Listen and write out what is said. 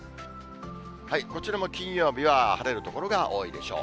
こちらも金曜日は晴れる所が多いでしょう。